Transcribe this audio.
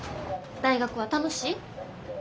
大学は楽しい？